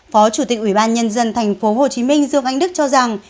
phó chủ tịch ủy ban nhân dân tp hcm dương anh đức cho rằng